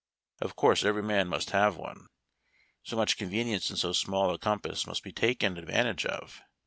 Of course every man must have one. So mnch convenience in so small a compass must be taken advantage of.